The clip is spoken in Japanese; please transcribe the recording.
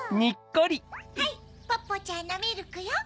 はいポッポちゃんのミルクよ。